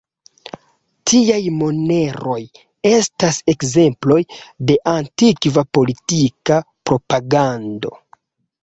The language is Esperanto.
Tiaj moneroj estas ekzemploj de antikva politika propagando.